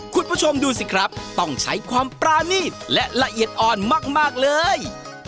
คุณผู้ชมดูสิครับต้องใช้ความปรานีตและละเอียดอ่อนมากเลย